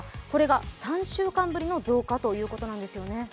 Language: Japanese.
これが３週間ぶりの増加ということなんですよね。